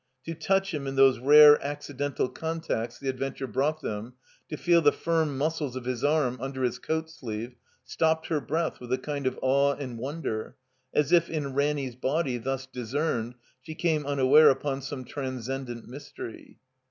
To touch him in those rare accidental 367 THE COMBINED MAZE contacts the adventure brought them, to feel the firm muscles of his arm under his coat sleeve, stofiped her breath with a kind of awe and wonder, as if in Ranny's body thus discerned she came unaware upon some transcendent mystery.